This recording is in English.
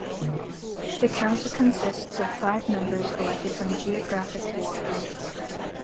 The council consists of five members elected from geographic wards.